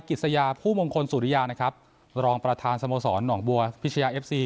กิจสยาผู้มงคลสุริยานะครับรองประธานสโมสรหนองบัวพิชยาเอฟซี